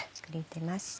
出ました。